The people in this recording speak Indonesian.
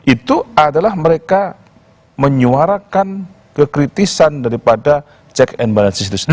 itu adalah mereka menyuarakan kekritisan daripada check and balances itu sendiri